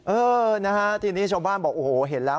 เออนะฮะทีนี้ชาวบ้านบอกโอ้โหเห็นแล้ว